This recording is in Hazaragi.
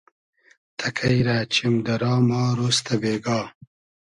تئکݷ رۂ چیم دۂ را ما رۉز تۂ بېگا